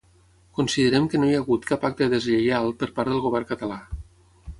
Considerem que no hi ha hagut cap acte deslleial per part del govern català.